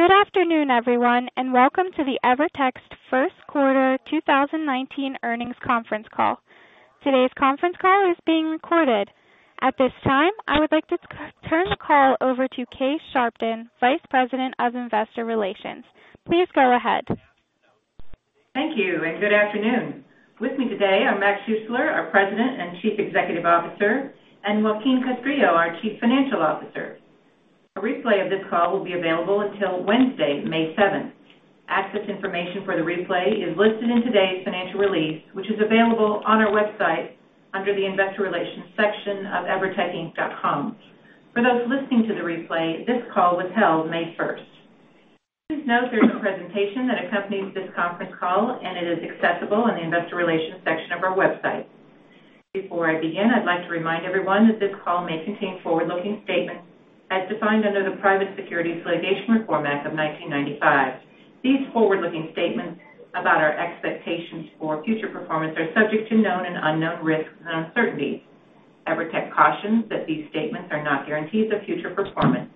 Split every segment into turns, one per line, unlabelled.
Good afternoon, everyone. Welcome to the EVERTEC first quarter 2019 earnings conference call. Today's conference call is being recorded. At this time, I would like to turn the call over to Kay Sharpton, Vice President of Investor Relations. Please go ahead.
Thank you. Good afternoon. With me today are Mac Schuessler, our President and Chief Executive Officer, and Joaquin Castrillo, our Chief Financial Officer. A replay of this call will be available until Wednesday, May 7th. Access information for the replay is listed in today's financial release, which is available on our website under the Investor Relations section of evertecinc.com. For those listening to the replay, this call was held May 1st. Please note there's a presentation that accompanies this conference call, and it is accessible in the Investor Relations section of our website. Before I begin, I'd like to remind everyone that this call may contain forward-looking statements as defined under the Private Securities Litigation Reform Act of 1995. These forward-looking statements about our expectations for future performance are subject to known and unknown risks and uncertainties. EVERTEC cautions that these statements are not guarantees of future performance.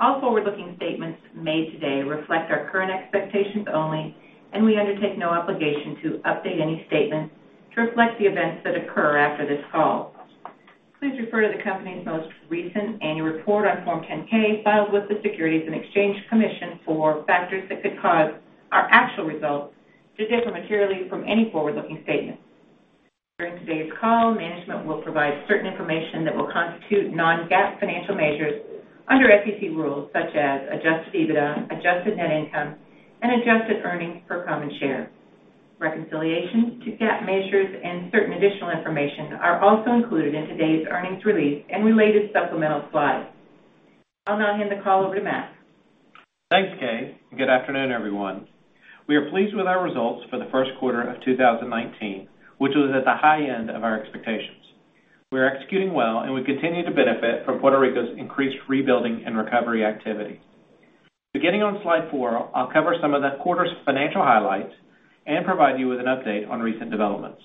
All forward-looking statements made today reflect our current expectations only, and we undertake no obligation to update any statement to reflect the events that occur after this call. Please refer to the company's most recent annual report on Form 10-K filed with the Securities and Exchange Commission for factors that could cause our actual results to differ materially from any forward-looking statement. During today's call, management will provide certain information that will constitute non-GAAP financial measures under SEC rules such as adjusted EBITDA, adjusted net income, and adjusted earnings per common share. Reconciliation to GAAP measures and certain additional information are also included in today's earnings release and related supplemental slides. I'll now hand the call over to Mac.
Thanks, Kay. Good afternoon, everyone. We are pleased with our results for the first quarter of 2019, which was at the high end of our expectations. We are executing well, and we continue to benefit from Puerto Rico's increased rebuilding and recovery activity. Beginning on slide four, I'll cover some of the quarter's financial highlights and provide you with an update on recent developments.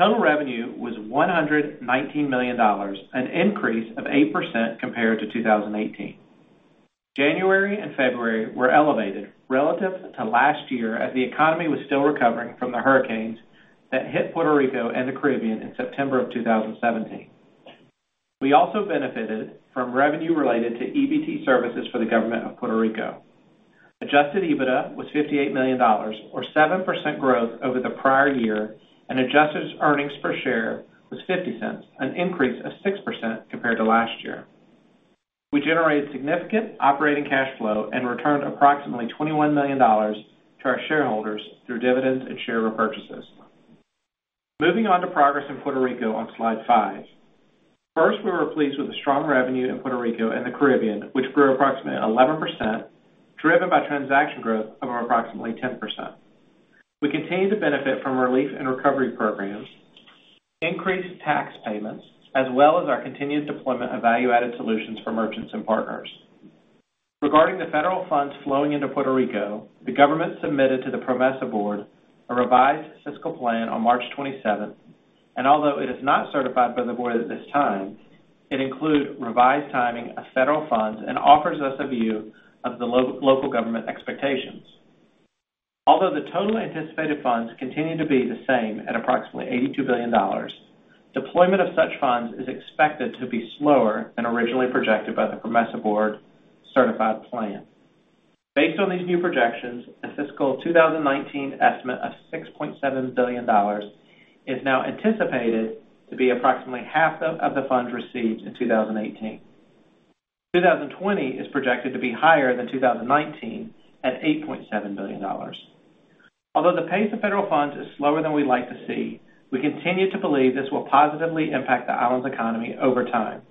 Total revenue was $119 million, an increase of 8% compared to 2018. January and February were elevated relative to last year as the economy was still recovering from the hurricanes that hit Puerto Rico and the Caribbean in September of 2017. We also benefited from revenue related to EBT services for the government of Puerto Rico. Adjusted EBITDA was $58 million, or 7% growth over the prior year, and adjusted earnings per share was $0.50, an increase of 6% compared to last year. We generated significant operating cash flow and returned approximately $21 million to our shareholders through dividends and share repurchases. Moving on to progress in Puerto Rico on slide five. First, we were pleased with the strong revenue in Puerto Rico and the Caribbean, which grew approximately 11%, driven by transaction growth of approximately 10%. We continue to benefit from relief and recovery programs, increased tax payments, as well as our continued deployment of value-added solutions for merchants and partners. Regarding the federal funds flowing into Puerto Rico, the government submitted to the PROMESA board a revised fiscal plan on March 27th, and although it is not certified by the board at this time, it includes revised timing of federal funds and offers us a view of the local government expectations. Although the total anticipated funds continue to be the same at approximately $82 billion, deployment of such funds is expected to be slower than originally projected by the PROMESA board certified plan. Based on these new projections, the fiscal 2019 estimate of $6.7 billion is now anticipated to be approximately half of the funds received in 2018. 2020 is projected to be higher than 2019 at $8.7 billion. Although the pace of federal funds is slower than we'd like to see, we continue to believe this will positively impact the island's economy over time.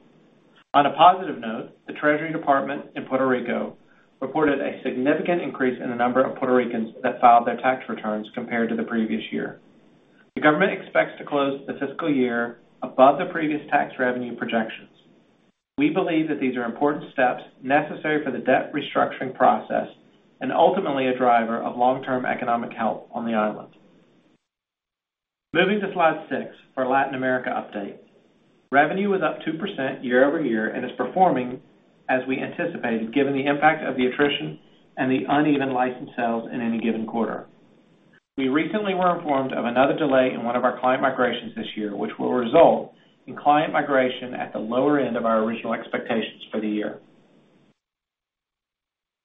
On a positive note, the Treasury Department in Puerto Rico reported a significant increase in the number of Puerto Ricans that filed their tax returns compared to the previous year. The government expects to close the fiscal year above the previous tax revenue projections. We believe that these are important steps necessary for the debt restructuring process and ultimately a driver of long-term economic health on the island. Moving to slide six for Latin America update. Revenue was up 2% year over year and is performing as we anticipated given the impact of the attrition and the uneven license sales in any given quarter. We recently were informed of another delay in one of our client migrations this year, which will result in client migration at the lower end of our original expectations for the year.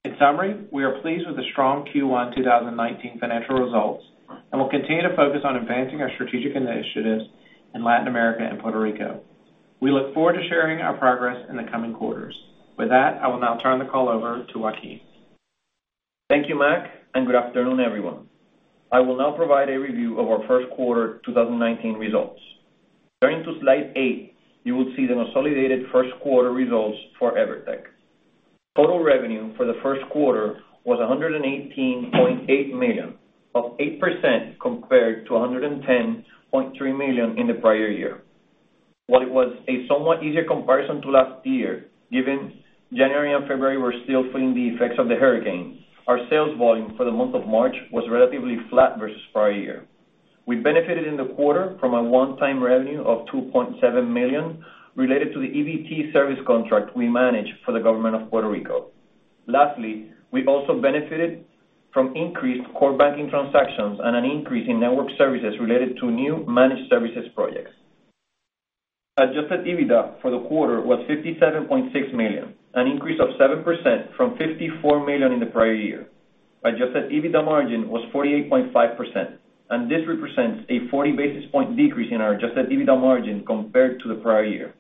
In summary, we are pleased with the strong Q1 2019 financial results and will continue to focus on advancing our strategic initiatives in Latin America and Puerto Rico. We look forward to sharing our progress in the coming quarters. With that, I will now turn the call over to Joaquin.
Thank you, Mac, and good afternoon, everyone. I will now provide a review of our first quarter 2019 results. Turning to slide eight, you will see the consolidated first quarter results for EVERTEC. Total revenue for the first quarter was $118.8 million, up 8% compared to $110.3 million in the prior year. While it was a somewhat easier comparison to last year, given January and February were still feeling the effects of the hurricane, our sales volume for the month of March was relatively flat versus prior year. We benefited in the quarter from a one-time revenue of $2.7 million related to the EBT service contract we manage for the government of Puerto Rico. Lastly, we also benefited from increased core banking transactions and an increase in network services related to new managed services projects. Adjusted EBITDA for the quarter was $57.6 million, an increase of 7% from $54 million in the prior year. Adjusted EBITDA margin was 48.5%. This represents a 40-basis-point decrease in our adjusted EBITDA margin compared to the prior year.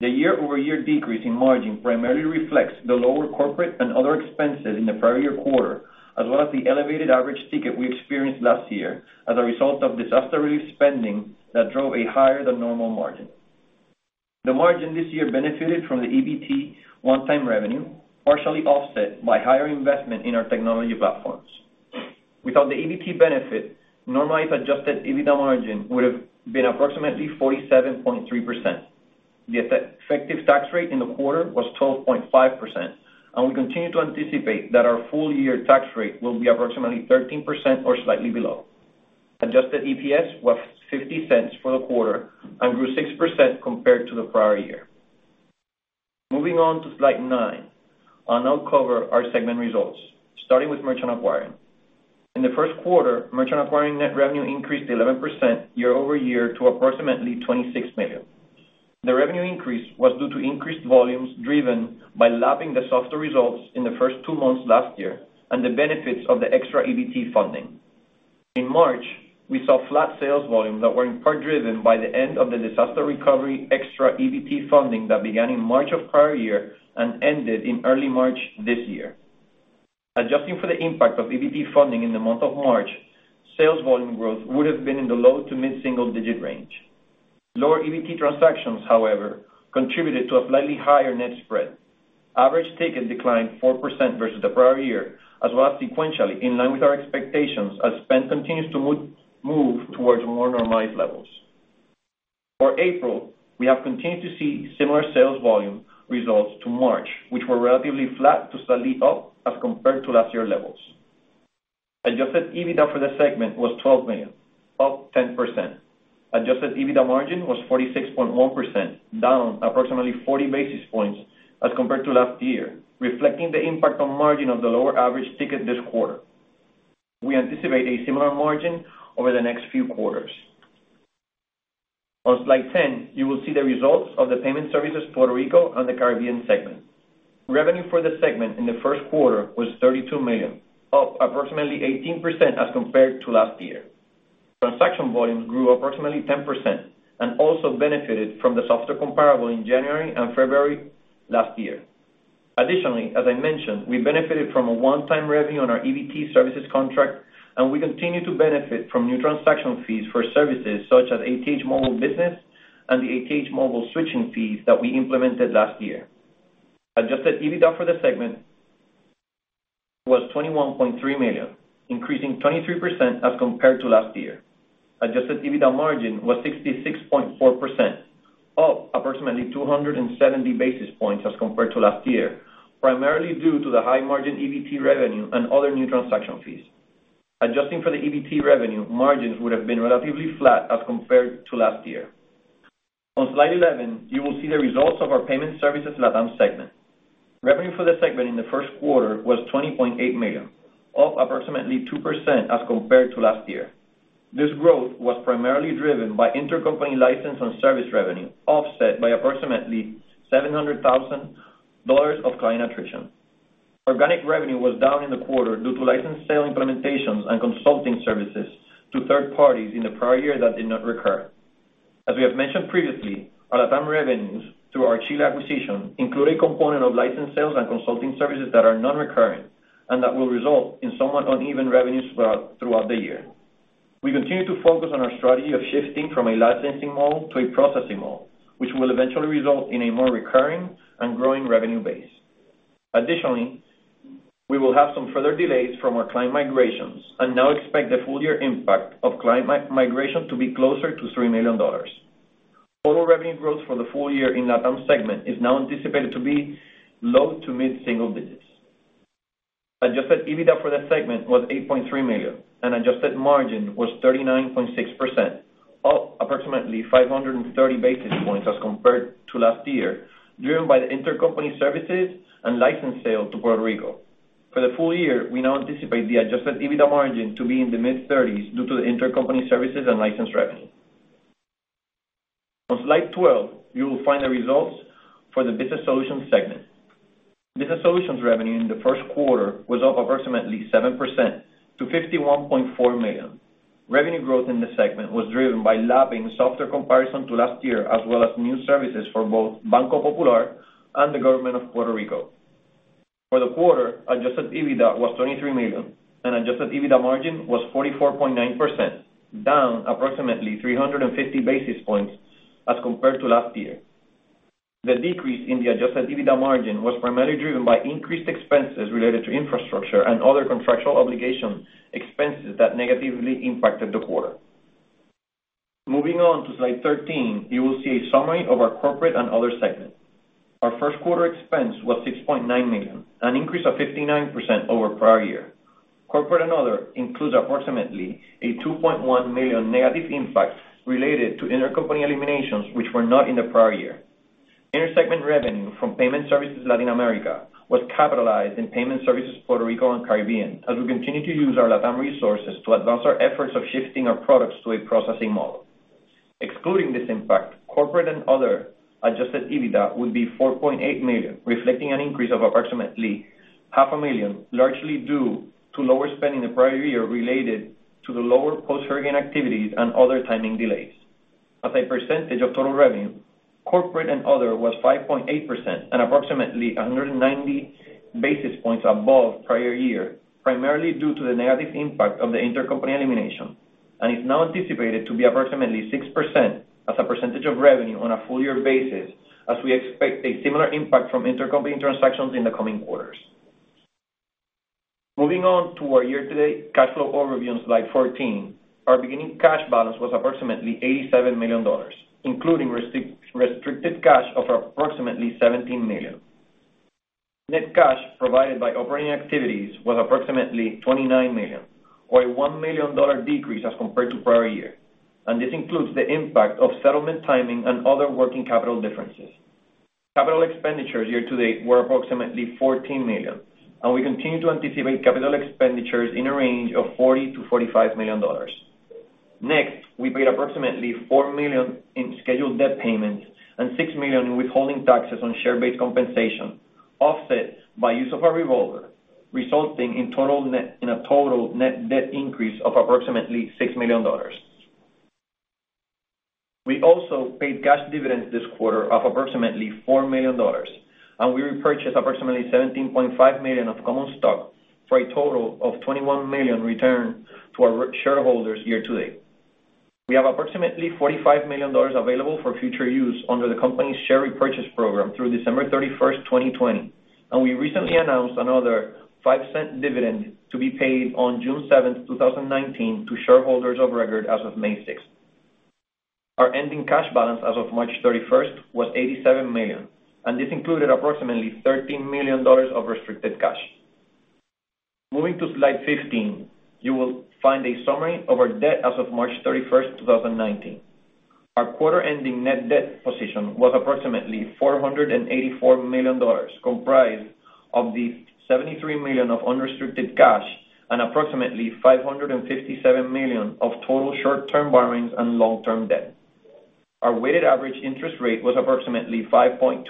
The year-over-year decrease in margin primarily reflects the lower corporate and other expenses in the prior year quarter, as well as the elevated average ticket we experienced last year as a result of disaster relief spending that drove a higher than normal margin. The margin this year benefited from the EBT one-time revenue, partially offset by higher investment in our technology platforms. Without the EBT benefit, normalized adjusted EBITDA margin would have been approximately 47.3%. The effective tax rate in the quarter was 12.5%. We continue to anticipate that our full-year tax rate will be approximately 13% or slightly below. Adjusted EPS was $0.50 for the quarter and grew 6% compared to the prior year. Moving on to slide nine. I will now cover our segment results, starting with merchant acquiring. In the first quarter, merchant acquiring net revenue increased 11% year-over-year to approximately $26 million. The revenue increase was due to increased volumes driven by lapping the softer results in the first two months last year and the benefits of the extra EBT funding. In March, we saw flat sales volumes that were in part driven by the end of the disaster recovery extra EBT funding that began in March of prior year and ended in early March this year. Adjusting for the impact of EBT funding in the month of March, sales volume growth would have been in the low to mid-single digit range. Lower EBT transactions, however, contributed to a slightly higher net spread. Average ticket declined 4% versus the prior year, as well as sequentially in line with our expectations as spend continues to move towards more normalized levels. For April, we have continued to see similar sales volume results to March, which were relatively flat to slightly up as compared to last year levels. Adjusted EBITDA for the segment was $12 million, up 10%. Adjusted EBITDA margin was 46.1%, down approximately 40 basis points as compared to last year, reflecting the impact on margin of the lower average ticket this quarter. We anticipate a similar margin over the next few quarters. On slide 10, you will see the results of the Payment Services Puerto Rico and the Caribbean segment. Revenue for the segment in the first quarter was $32 million, up approximately 18% as compared to last year. Transaction volumes grew approximately 10% and also benefited from the softer comparable in January and February last year. Additionally, as I mentioned, we benefited from a one-time revenue on our EBT services contract. We continue to benefit from new transaction fees for services such as ATH Móvil Business and the ATH Móvil switching fees that we implemented last year. Adjusted EBITDA for the segment was $21.3 million, increasing 23% as compared to last year. Adjusted EBITDA margin was 66.4%, up approximately 270 basis points as compared to last year, primarily due to the high-margin EBT revenue and other new transaction fees. Adjusting for the EBT revenue, margins would have been relatively flat as compared to last year. On slide 11, you will see the results of our Payment Services LATAM segment. Revenue for the segment in the first quarter was $20.8 million, up approximately 2% as compared to last year. This growth was primarily driven by intercompany license and service revenue, offset by approximately $700,000 of client attrition. Organic revenue was down in the quarter due to license sale implementations and consulting services to third parties in the prior year that did not recur. As we have mentioned previously, our LATAM revenues through our Chile acquisition include a component of license sales and consulting services that are non-recurring and that will result in somewhat uneven revenues throughout the year. We continue to focus on our strategy of shifting from a licensing model to a processing model, which will eventually result in a more recurring and growing revenue base. Additionally, we will have some further delays from our client migrations and now expect the full-year impact of client migration to be closer to $3 million. Total revenue growth for the full year in LATAM segment is now anticipated to be low to mid-single digits. Adjusted EBITDA for the segment was $8.3 million, and adjusted margin was 39.6%, up approximately 530 basis points as compared to last year, driven by the intercompany services and license sale to Puerto Rico. For the full year, we now anticipate the adjusted EBITDA margin to be in the mid-30s due to the intercompany services and license revenue. On slide 12, you will find the results for the Business Solutions segment. Business Solutions revenue in the first quarter was up approximately 7% to $51.4 million. Revenue growth in the segment was driven by lapping softer comparison to last year, as well as new services for both Banco Popular and the government of Puerto Rico. For the quarter, adjusted EBITDA was $23 million and adjusted EBITDA margin was 44.9%, down approximately 350 basis points as compared to last year. The decrease in the adjusted EBITDA margin was primarily driven by increased expenses related to infrastructure and other contractual obligation expenses that negatively impacted the quarter. Moving on to slide 13, you will see a summary of our corporate and other segment. Our first quarter expense was $6.9 million, an increase of 59% over prior year. Corporate and other includes approximately a $2.1 million negative impact related to intercompany eliminations which were not in the prior year. Inter-segment revenue from Payment Services Latin America was capitalized in Payment Services Puerto Rico and Caribbean, as we continue to use our LatAm resources to advance our efforts of shifting our products to a processing model. Excluding this impact, corporate and other adjusted EBITDA would be $4.8 million, reflecting an increase of approximately half a million, largely due to lower spending the prior year related to the lower post-hurricane activities and other timing delays. As a percentage of total revenue, corporate and other was 5.8% and approximately 190 basis points above prior year, primarily due to the negative impact of the intercompany elimination. It is now anticipated to be approximately 6% as a percentage of revenue on a full-year basis, as we expect a similar impact from intercompany transactions in the coming quarters. Moving on to our year-to-date cash flow overview on slide 14. Our beginning cash balance was approximately $87 million, including restricted cash of approximately $17 million. Net cash provided by operating activities was approximately $29 million, or a $1 million decrease as compared to prior year. This includes the impact of settlement timing and other working capital differences. Capital expenditures year-to-date were approximately $14 million, and we continue to anticipate capital expenditures in a range of $40 million-$45 million. Next, we paid approximately $4 million in scheduled debt payments and $6 million in withholding taxes on share-based compensation, offset by use of our revolver, resulting in a total net debt increase of approximately $6 million. We also paid cash dividends this quarter of approximately $4 million, and we repurchased approximately $17.5 million of common stock for a total of $21 million returned to our shareholders year-to-date. We have approximately $45 million available for future use under the company's share repurchase program through December 31st, 2020, and we recently announced another $0.05 dividend to be paid on June 7th, 2019 to shareholders of record as of May 6th. Our ending cash balance as of March 31st was $87 million, and this included approximately $13 million of restricted cash. Moving to slide 15, you will find a summary of our debt as of March 31st, 2019. Our quarter-ending net debt position was approximately $484 million, comprised of the $73 million of unrestricted cash and approximately $557 million of total short-term borrowings and long-term debt. Our weighted average interest rate was approximately 5.2%.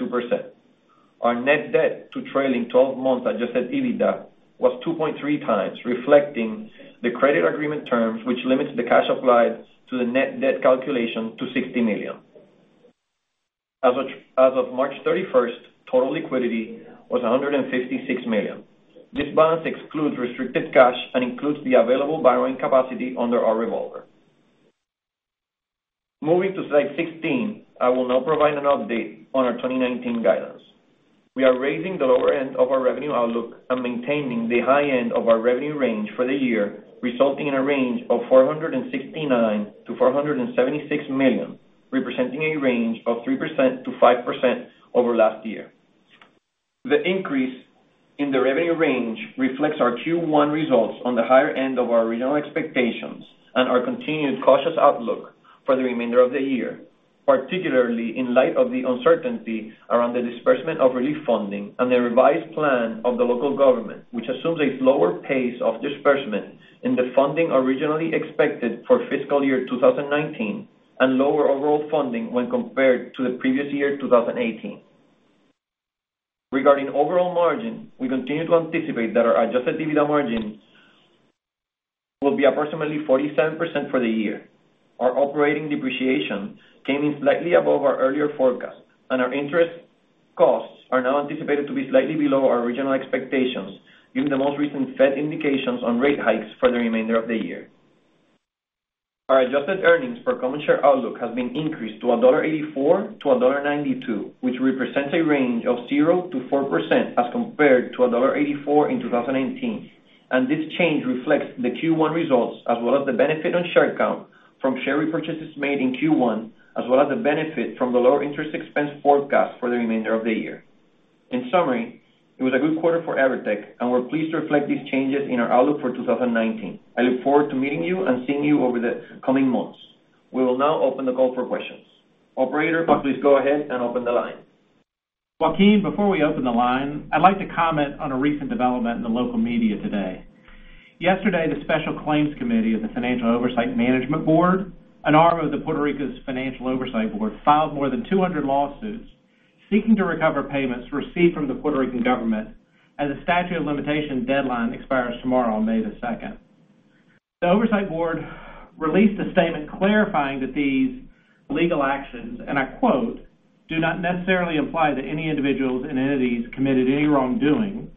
Our net debt to trailing 12 months adjusted EBITDA was 2.3 times, reflecting the credit agreement terms, which limits the cash applied to the net debt calculation to $60 million. As of March 31st, total liquidity was $156 million. This balance excludes restricted cash and includes the available borrowing capacity under our revolver. Moving to slide 16, I will now provide an update on our 2019 guidance. We are raising the lower end of our revenue outlook and maintaining the high end of our revenue range for the year, resulting in a range of $469 million-$476 million, representing a range of 3%-5% over last year. The increase in the revenue range reflects our Q1 results on the higher end of our original expectations and our continued cautious outlook for the remainder of the year, particularly in light of the uncertainty around the disbursement of relief funding and the revised plan of the local government, which assumes a slower pace of disbursement in the funding originally expected for fiscal year 2019 and lower overall funding when compared to the previous year 2018. Regarding overall margin, we continue to anticipate that our adjusted EBITDA margin will be approximately 47% for the year. Our operating depreciation came in slightly above our earlier forecast, and our interest costs are now anticipated to be slightly below our original expectations given the most recent Fed indications on rate hikes for the remainder of the year. Our adjusted earnings per common share outlook has been increased to $1.84-$1.92, which represents a range of 0%-4% as compared to $1.84 in 2018. This change reflects the Q1 results as well as the benefit on share count from share repurchases made in Q1, as well as the benefit from the lower interest expense forecast for the remainder of the year. In summary, it was a good quarter for EVERTEC, and we're pleased to reflect these changes in our outlook for 2019. I look forward to meeting you and seeing you over the coming months. We will now open the call for questions. Operator, please go ahead and open the line.
Joaquin, before we open the line, I'd like to comment on a recent development in the local media today. Yesterday, the Special Claims Committee of the Financial Oversight and Management Board, an arm of the Puerto Rico's Financial Oversight Board, filed more than 200 lawsuits seeking to recover payments received from the Puerto Rican government as the statute of limitation deadline expires tomorrow on May 2nd. The Oversight Board released a statement clarifying that these legal actions, and I quote, "Do not necessarily imply that any individuals and entities committed any wrongdoing.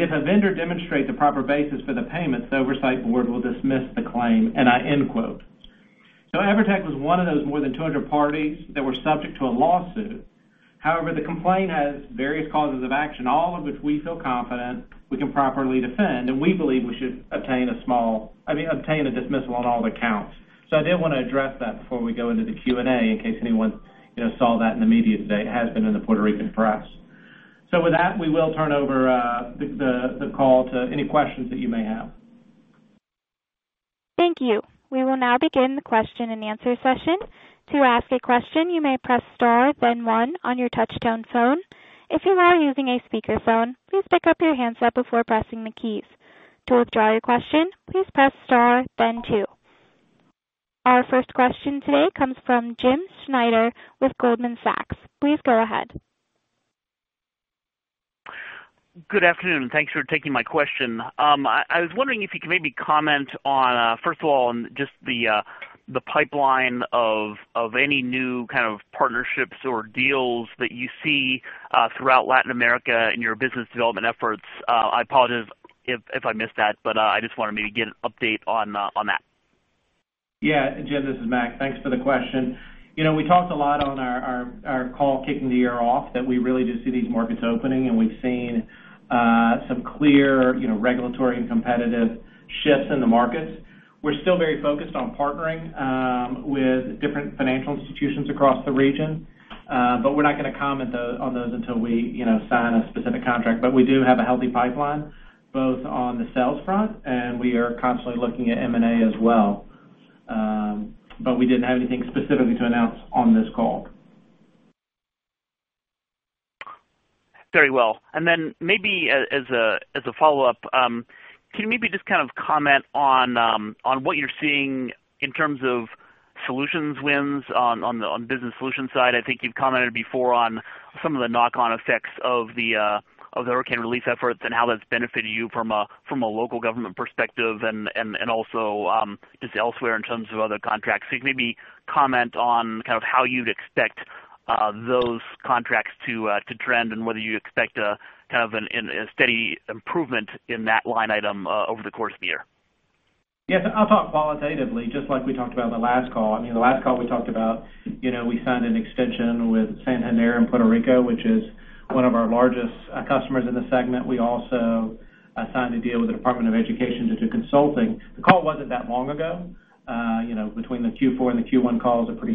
If a vendor demonstrates the proper basis for the payments, the Oversight Board will dismiss the claim." EVERTEC was one of those more than 200 parties that were subject to a lawsuit. However, the complaint has various causes of action, all of which we feel confident we can properly defend, and we believe we should obtain a dismissal on all the counts. I did want to address that before we go into the Q&A in case anyone saw that in the media today. It has been in the Puerto Rican press. With that, we will turn over the call to any questions that you may have.
Thank you. We will now begin the question and answer session. To ask a question, you may press star then one on your touchtone phone. If you are using a speakerphone, please pick up your handset before pressing the keys. To withdraw your question, please press star then two. Our first question today comes from Jim Schneider with Goldman Sachs. Please go ahead.
Good afternoon. Thanks for taking my question. I was wondering if you could maybe comment on, first of all, on just the pipeline of any new kind of partnerships or deals that you see throughout Latin America in your business development efforts. I apologize if I missed that, but I just wanted to get an update on that.
Yeah. Jim, this is Mac. Thanks for the question. We talked a lot on our call kicking the year off that we really do see these markets opening. We've seen some clear regulatory and competitive shifts in the markets. We're still very focused on partnering with different financial institutions across the region. We're not going to comment on those until we sign a specific contract. We do have a healthy pipeline, both on the sales front. We are constantly looking at M&A as well. We didn't have anything specifically to announce on this call.
Very well. Maybe as a follow-up, can you maybe just kind of comment on what you're seeing in terms of solutions wins on the business solution side? I think you've commented before on some of the knock-on effects of the hurricane relief efforts and how that's benefited you from a local government perspective and also just elsewhere in terms of other contracts. You can maybe comment on kind of how you'd expect those contracts to trend and whether you expect a steady improvement in that line item over the course of the year.
Yes, I'll talk qualitatively, just like we talked about on the last call. The last call we talked about, we signed an extension with San Juan in Puerto Rico, which is one of our largest customers in the segment. We also signed a deal with the Department of Education to do consulting. The call wasn't that long ago. Between the Q4 and the Q1 calls are pretty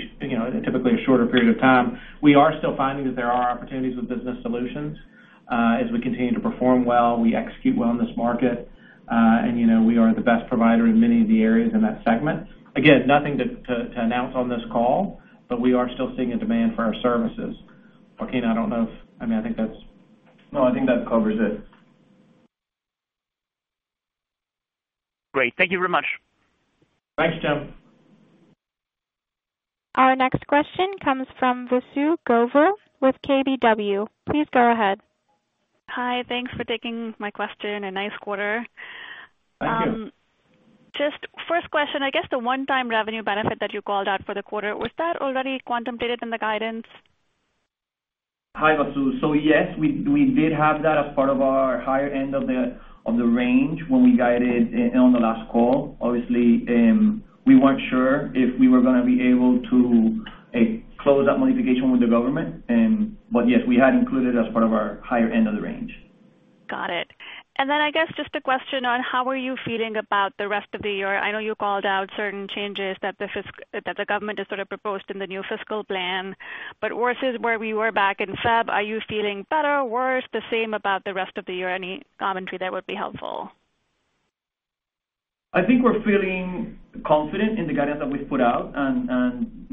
typically a shorter period of time. We are still finding that there are opportunities with business solutions. As we continue to perform well, we execute well in this market. We are the best provider in many of the areas in that segment. Again, nothing to announce on this call, but we are still seeing a demand for our services. Joaquin.
No, I think that covers it.
Great. Thank you very much.
Thanks, Jim.
Our next question comes from Vasu Govil with KBW. Please go ahead.
Hi. Thanks for taking my question, nice quarter.
Thank you.
Just first question, I guess the one-time revenue benefit that you called out for the quarter, was that already contemplated in the guidance?
Hi, Vasu. Yes, we did have that as part of our higher end of the range when we guided on the last call. Obviously, we weren't sure if we were going to be able to close that modification with the government. Yes, we had included as part of our higher end of the range.
Got it. I guess just a question on how are you feeling about the rest of the year. I know you called out certain changes that the government has sort of proposed in the new fiscal plan, versus where we were back in February, are you feeling better or worse, the same about the rest of the year? Any commentary there would be helpful.
I think we're feeling confident in the guidance that we've put out.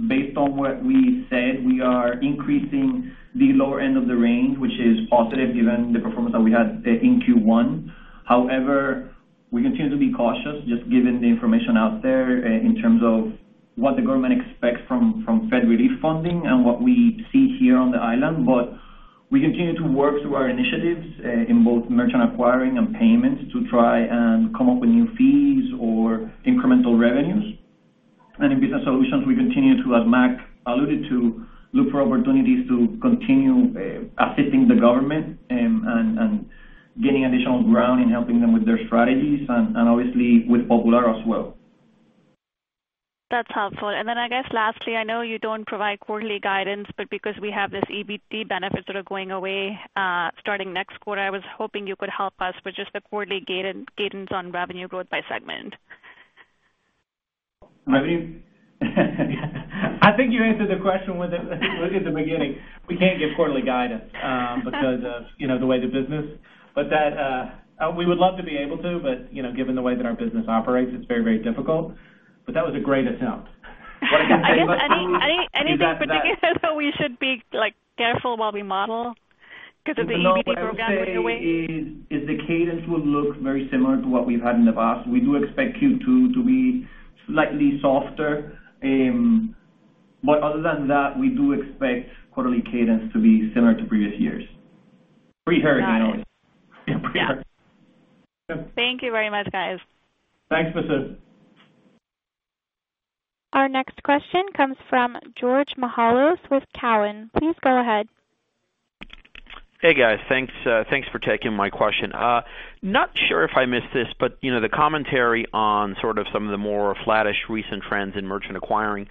Based on what we said, we are increasing the lower end of the range, which is positive given the performance that we had in Q1. However, we continue to be cautious, just given the information out there in terms of what the government expects from Fed relief funding and what we see here on the island. We continue to work through our initiatives in both merchant acquiring and payments to try and come up with new fees or incremental revenues. In business solutions, we continue to, as Mac alluded to, look for opportunities to continue assisting the government and getting additional ground in helping them with their strategies and obviously with Popular as well.
That's helpful. I guess lastly, I know you don't provide quarterly guidance, because we have this EBT benefit sort of going away starting next quarter, I was hoping you could help us with just the quarterly cadence on revenue growth by segment.
I think you answered the question at the beginning. We can't give quarterly guidance because of the way the business. We would love to be able to. Given the way that our business operates, it's very, very difficult. That was a great attempt. What I can say, Vasu-
I guess anything particular that we should be careful while we model because of the EBT program going away?
No, what I would say is the cadence will look very similar to what we've had in the past. We do expect Q2 to be slightly softer. Other than that, we do expect quarterly cadence to be similar to previous years.
Pre-hurricane, obviously.
Got it.
Yeah, pre-hurricane.
Thank you very much, guys.
Thanks, Vasu.
Our next question comes from George Mihalos with Cowen. Please go ahead.
Hey guys, thanks for taking my question. Not sure if I missed this, the commentary on sort of some of the more flattish recent trends in merchant acquiring.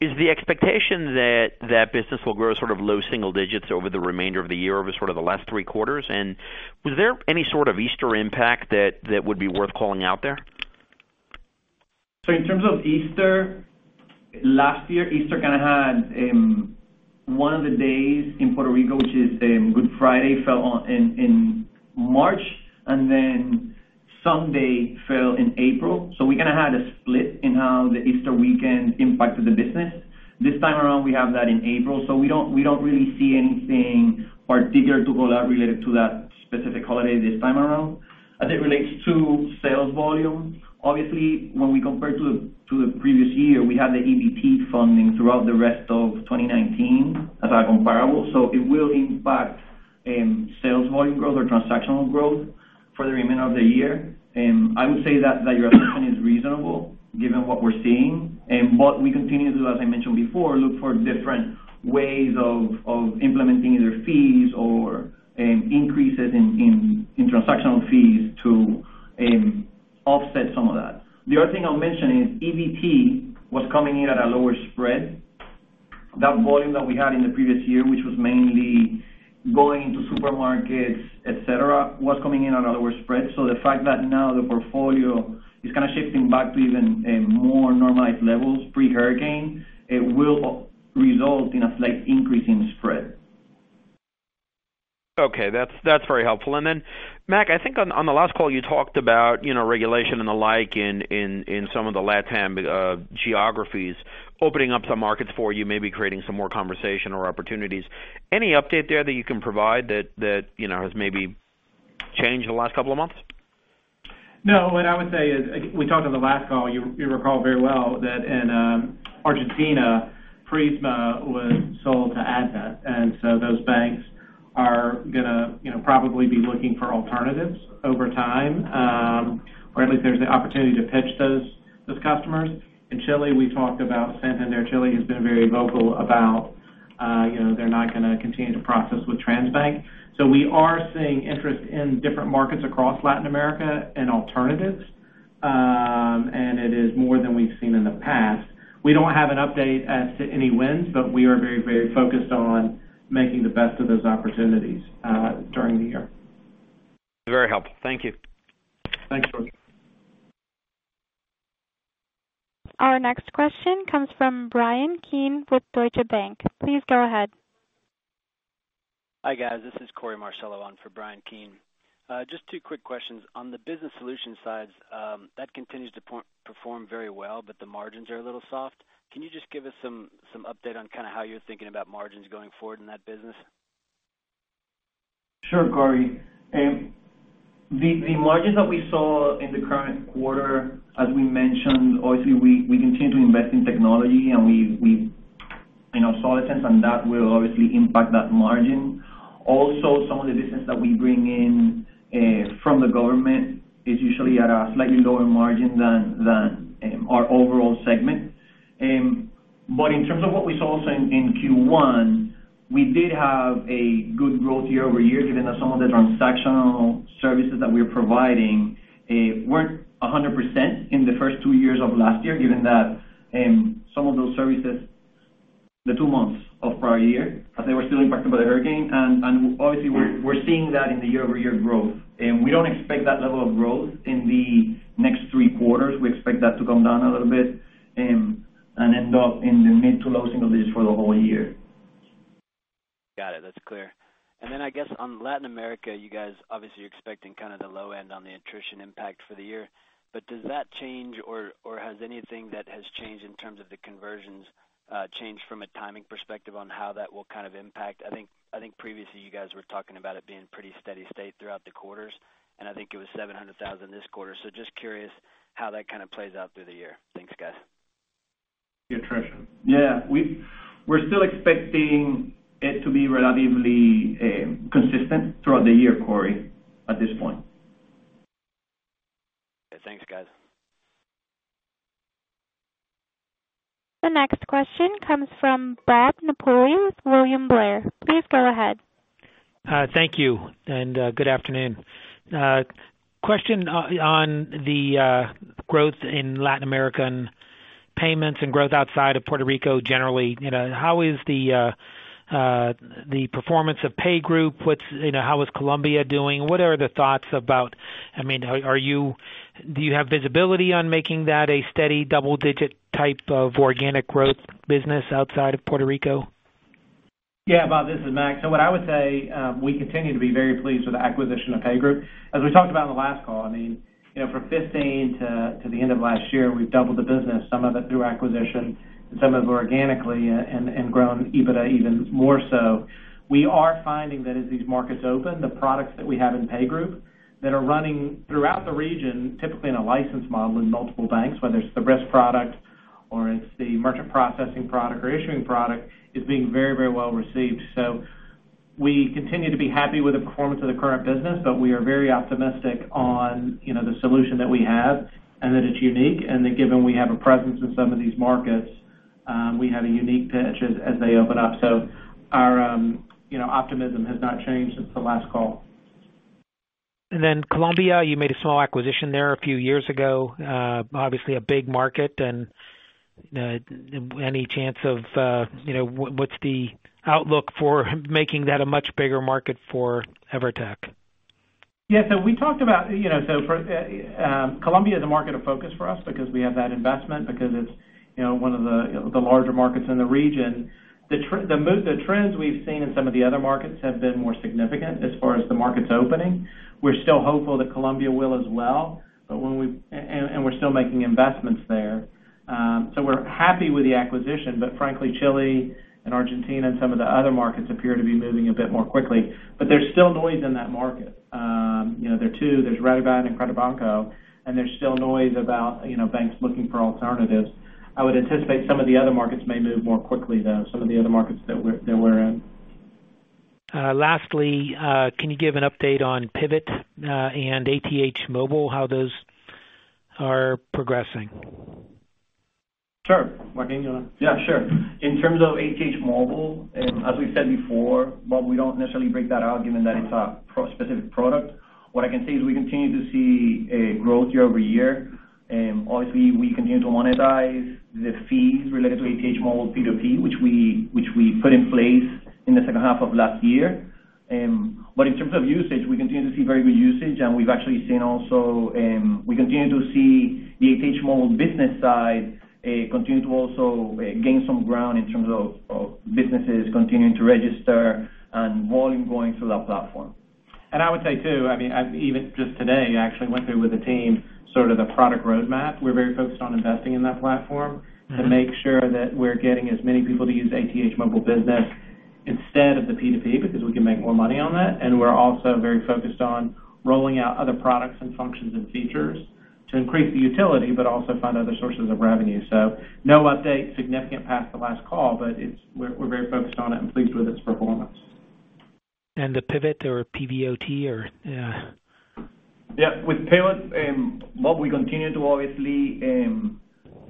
Is the expectation that that business will grow sort of low single-digits over the remainder of the year, over sort of the last 3 quarters? Was there any sort of Easter impact that would be worth calling out there?
In terms of Easter, last year Easter kind of had one of the days in Puerto Rico, which is Good Friday, fell in March and then Sunday fell in April. We kind of had a split in how the Easter weekend impacted the business. This time around, we have that in April, we don't really see anything particular to call out related to that specific holiday this time around. As it relates to sales volume, obviously when we compare to the previous year, we have the EBT funding throughout the rest of 2019 as our comparable. It will impact sales volume growth or transactional growth for the remainder of the year. I would say that your assumption is reasonable given what we're seeing. We continue to, as I mentioned before, look for different ways of implementing either fees or increases in transactional fees to offset some of that. The other thing I'll mention is EBT was coming in at a lower spread. That volume that we had in the previous year which was mainly going into supermarkets, et cetera, was coming in at a lower spread. The fact that now the portfolio is kind of shifting back to even more normalized levels pre-hurricane, it will result in a slight increase in spread.
Okay. That's very helpful. Then Mac, I think on the last call you talked about regulation and the like in some of the LatAm geographies, opening up some markets for you, maybe creating some more conversation or opportunities. Any update there that you can provide that has maybe changed in the last couple of months?
No, what I would say is, we talked on the last call, you recall very well that in Argentina, Prisma was sold to Advent. Those banks are going to probably be looking for alternatives over time. At least there's the opportunity to pitch those customers. In Chile, we talked about Santander. Chile has been very vocal about they're not going to continue to process with Transbank. We are seeing interest in different markets across Latin America in alternatives. It is more than we've seen in the past. We don't have an update as to any wins, but we are very, very focused on making the best of those opportunities during the year.
Very helpful. Thank you.
Thanks, George.
Our next question comes from Bryan Keane with Deutsche Bank. Please go ahead.
Hi guys. This is Korey Marcello on for Bryan Keane. Just two quick questions. On the business solution side, that continues to perform very well, but the margins are a little soft. Can you just give us some update on kind of how you're thinking about margins going forward in that business?
Sure, Korey. The margins that we saw in the current quarter, as we mentioned, obviously we continue to invest in technology and we saw the trends. That will obviously impact that margin. Also, some of the business that we bring in from the government is usually at a slightly lower margin than our overall segment. In terms of what we saw also in Q1, we did have a good growth year-over-year, given that some of the transactional services that we're providing weren't 100% in the first two months of last year, given that some of those services, the two months of prior year, as they were still impacted by the hurricane. Obviously we're seeing that in the year-over-year growth. We don't expect that level of growth in the next three quarters. We expect that to come down a little bit and end up in the mid to low single digits for the whole year.
Got it. That's clear. Then I guess on Latin America, you guys obviously are expecting kind of the low end on the attrition impact for the year. Does that change or has anything that has changed in terms of the conversions changed from a timing perspective on how that will kind of impact? I think previously you guys were talking about it being pretty steady state throughout the quarters, I think it was $700,000 this quarter. Just curious how that kind of plays out through the year. Thanks, guys.
The attrition. Yeah. We're still expecting it to be relatively consistent throughout the year, Korey, at this point.
Thanks, guys.
The next question comes from Bob Napoli with William Blair. Please go ahead.
Thank you. Good afternoon. Question on the growth in Latin American payments and growth outside of Puerto Rico generally. How is the performance of PayGroup? How is Colombia doing? Do you have visibility on making that a steady double-digit type of organic growth business outside of Puerto Rico?
Bob, this is Mac. What I would say, we continue to be very pleased with the acquisition of PayGroup. As we talked about on the last call, from 2015 to the end of last year, we've doubled the business, some of it through acquisition and some of it organically and grown EBITDA even more so. We are finding that as these markets open, the products that we have in PayGroup that are running throughout the region, typically in a license model in multiple banks, whether it's the risk product or it's the merchant processing product or issuing product, is being very, very well received. We continue to be happy with the performance of the current business, but we are very optimistic on the solution that we have and that it's unique and that given we have a presence in some of these markets, we have a unique pitch as they open up. Our optimism has not changed since the last call.
Colombia, you made a small acquisition there a few years ago. Obviously, a big market. What's the outlook for making that a much bigger market for EVERTEC?
Colombia is a market of focus for us because we have that investment, because it's one of the larger markets in the region. The trends we've seen in some of the other markets have been more significant as far as the markets opening. We're still hopeful that Colombia will as well, and we're still making investments there. We're happy with the acquisition, but frankly, Chile and Argentina and some of the other markets appear to be moving a bit more quickly. There's still noise in that market. There are two, there's Redeban and Credibanco, and there's still noise about banks looking for alternatives. I would anticipate some of the other markets may move more quickly, though, some of the other markets that we're in.
Lastly, can you give an update on Pivot and ATH Móvil, how those are progressing?
Sure. Joaquin. Yeah, sure. In terms of ATH Móvil, as we said before, we don't necessarily break that out given that it's a specific product. What I can say is we continue to see a growth year-over-year. Obviously, we continue to monetize the fees related to ATH Móvil P2P, which we put in place in the second half of last year. In terms of usage, we continue to see very good usage, and we've actually seen also, we continue to see the ATH Móvil Business side continue to also gain some ground in terms of businesses continuing to register and volume going through that platform.
I would say, too, even just today, I actually went through with the team sort of the product roadmap. We're very focused on investing in that platform to make sure that we're getting as many people to use ATH Móvil Business instead of the P2P because we can make more money on that. We're also very focused on rolling out other products and functions and features to increase the utility, but also find other sources of revenue. No update significant past the last call, but we're very focused on it and pleased with its performance.
The Pivot or yeah.
Yeah. With Pivot, well, we continue to obviously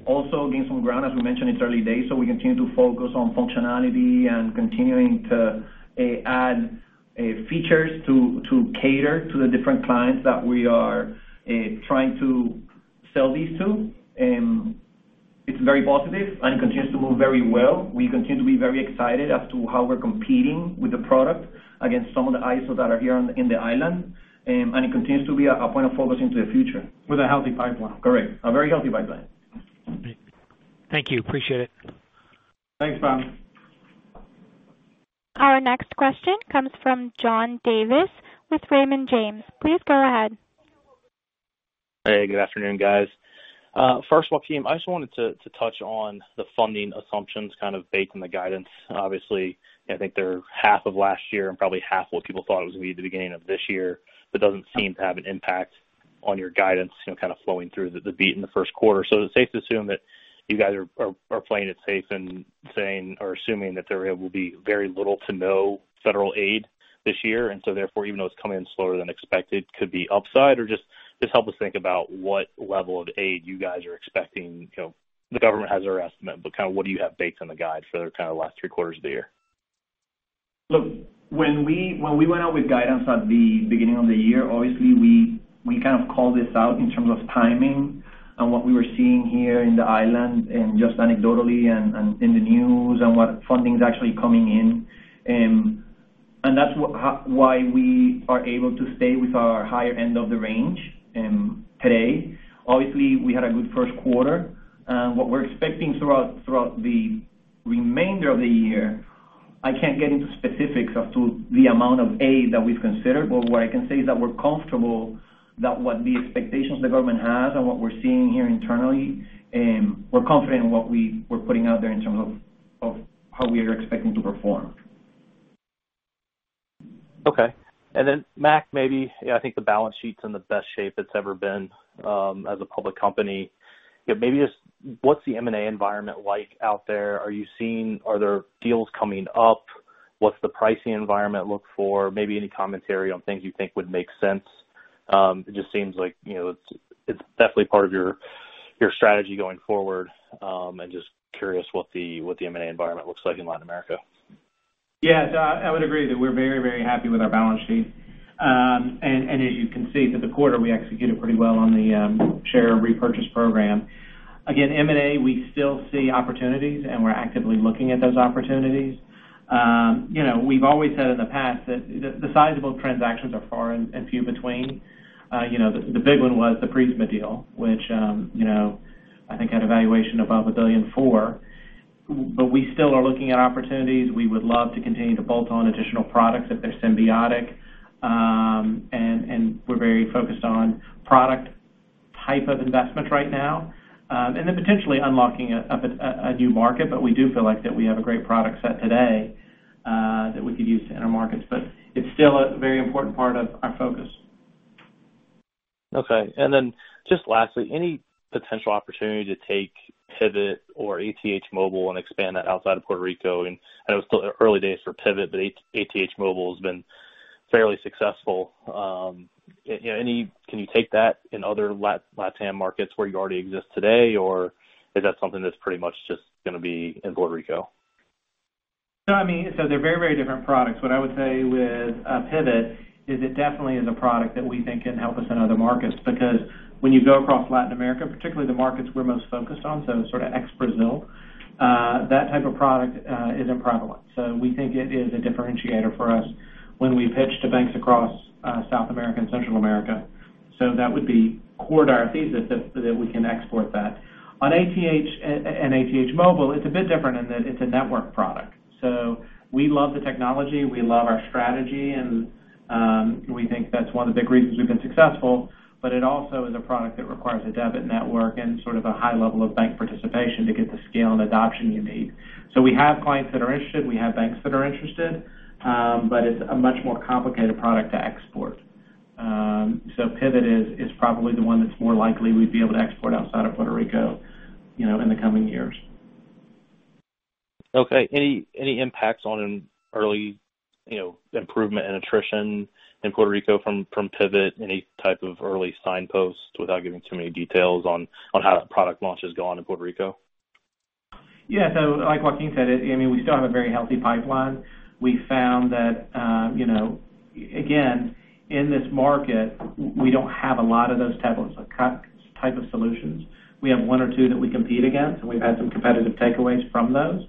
also gain some ground. As we mentioned, it's early days, so we continue to focus on functionality and continuing to add features to cater to the different clients that we are trying to sell these to. It's very positive, and it continues to move very well. We continue to be very excited as to how we're competing with the product against some of the ISOs that are here in the island, and it continues to be a point of focus into the future.
With a healthy pipeline.
Correct. A very healthy pipeline.
Great. Thank you. Appreciate it.
Thanks, Bob.
Our next question comes from John Davis with Raymond James. Please go ahead.
Hey, good afternoon, guys. First, Joaquin, I just wanted to touch on the funding assumptions kind of baked in the guidance. Obviously, I think they're half of last year and probably half what people thought it was going to be at the beginning of this year, but doesn't seem to have an impact on your guidance kind of flowing through the beat in the first quarter. Is it safe to assume that you guys are playing it safe and saying or assuming that there will be very little to no federal aid this year, therefore, even though it's coming in slower than expected, could be upside? Or just help us think about what level of aid you guys are expecting. The government has their estimate, but kind of what do you have baked in the guide for the kind of last three quarters of the year?
Look, when we went out with guidance at the beginning of the year, obviously, we kind of called this out in terms of timing and what we were seeing here in the island and just anecdotally and in the news and what funding is actually coming in. That's why we are able to stay with our higher end of the range today. Obviously, we had a good first quarter. What we're expecting throughout the remainder of the year, I can't get into specifics as to the amount of aid that we've considered, but what I can say is that we're comfortable that what the expectations the government has and what we're seeing here internally, we're confident in what we're putting out there in terms of how we are expecting to perform.
Okay. Mac, maybe, I think the balance sheet's in the best shape it's ever been as a public company. What's the M&A environment like out there? Are there deals coming up? What's the pricing environment look for? Any commentary on things you think would make sense. It just seems like it's definitely part of your strategy going forward, and just curious what the M&A environment looks like in Latin America.
Yeah. I would agree that we're very, very happy with our balance sheet. As you can see for the quarter, we executed pretty well on the share repurchase program. M&A, we still see opportunities, and we're actively looking at those opportunities. We've always said in the past that the sizable transactions are far and few between. The big one was the Prisma deal, which I think had a valuation above $1.4 billion. We still are looking at opportunities. We would love to continue to bolt on additional products if they're symbiotic. We're very focused on product type of investment right now. Potentially unlocking a new market, we do feel like that we have a great product set today that we could use in our markets. It's still a very important part of our focus.
Okay. Just lastly, any potential opportunity to take Pivot or ATH Móvil and expand that outside of Puerto Rico? I know it's still early days for Pivot, but ATH Móvil has been fairly successful. Can you take that in other LatAm markets where you already exist today? Is that something that's pretty much just going to be in Puerto Rico?
No, they're very different products. What I would say with Pivot is it definitely is a product that we think can help us in other markets because when you go across Latin America, particularly the markets we're most focused on, sort of ex-Brazil, that type of product isn't prevalent. We think it is a differentiator for us when we pitch to banks across South America and Central America. That would be core to our thesis that we can export that. On ATH and ATH Móvil, it's a bit different in that it's a network product. We love the technology, we love our strategy, and we think that's one of the big reasons we've been successful. It also is a product that requires a debit network and sort of a high level of bank participation to get the scale and adoption you need. We have clients that are interested, we have banks that are interested, but it's a much more complicated product to export. Pivot is probably the one that's more likely we'd be able to export outside of Puerto Rico in the coming years.
Okay. Any impacts on early improvement in attrition in Puerto Rico from Pivot? Any type of early signposts, without giving too many details, on how the product launch has gone in Puerto Rico?
Yeah. Like Joaquin said, we still have a very healthy pipeline. We found that, again, in this market, we don't have a lot of those type of solutions. We have one or two that we compete against, and we've had some competitive takeaways from those.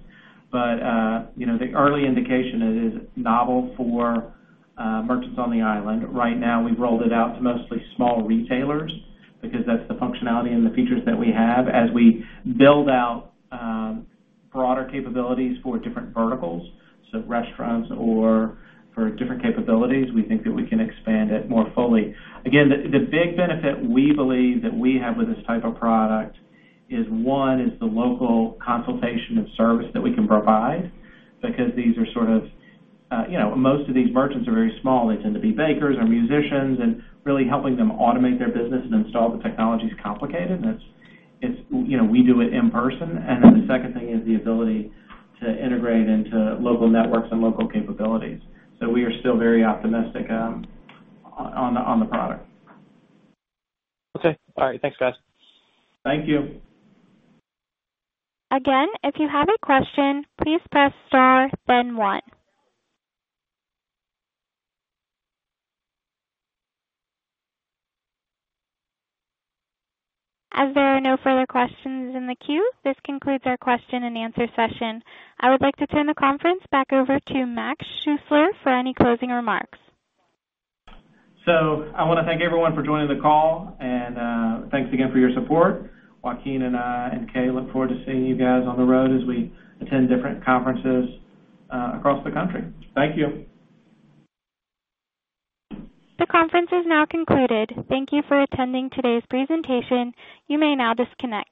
The early indication is novel for merchants on the island. Right now, we've rolled it out to mostly small retailers because that's the functionality and the features that we have. As we build out broader capabilities for different verticals, so restaurants or for different capabilities, we think that we can expand it more fully. Again, the big benefit we believe that we have with this type of product is one, is the local consultation and service that we can provide because most of these merchants are very small. They tend to be bakers or musicians, and really helping them automate their business and install the technology is complicated, and we do it in person. Then the second thing is the ability to integrate into local networks and local capabilities. We are still very optimistic on the product.
Okay. All right. Thanks, guys.
Thank you.
If you have a question, please press star then one. As there are no further questions in the queue, this concludes our question and answer session. I would like to turn the conference back over to Mac Schuessler for any closing remarks.
I want to thank everyone for joining the call, and thanks again for your support. Joaquin and I and Kay look forward to seeing you guys on the road as we attend different conferences across the country. Thank you.
The conference is now concluded. Thank you for attending today's presentation. You may now disconnect.